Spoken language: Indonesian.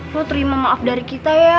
ku terima maaf dari kita ya